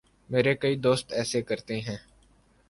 میرے کئی دوست ایسے کرتے ہیں۔